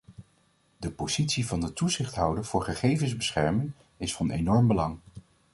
De positie van de toezichthouder voor gegevensbescherming is van enorm belang.